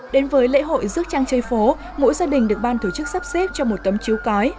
đến với lễ hội rước trăng chơi phố mỗi gia đình được ban tổ chức sắp xếp cho một tấm chiếu cói